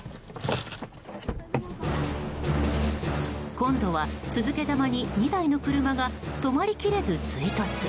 今度は続けざまに２台の車が止まりきれず追突。